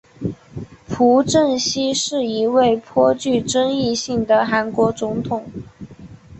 朴正熙是一位颇具争议性的韩国总统。